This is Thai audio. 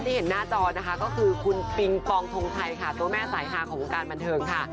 เห็นหน้าจอนะคะก็คือคุณปิงปองทงชัยค่ะตัวแม่สายฮาของวงการบันเทิงค่ะ